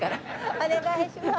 お願いします。